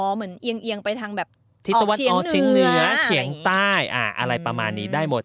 เหมือนเอียงไปทางแบบทิศตะวันออกเชียงเหนือเฉียงใต้อะไรประมาณนี้ได้หมด